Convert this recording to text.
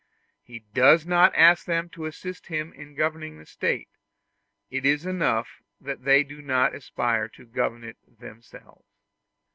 He does not ask them to assist him in governing the State; it is enough that they do not aspire to govern it themselves.